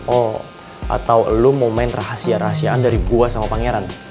oh atau lo mau main rahasia rahasiaan dari gua sama pangeran